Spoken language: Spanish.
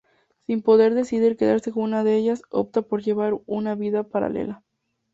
Sin poder decidir quedarse con una de ellas, opta por llevar una vida paralela.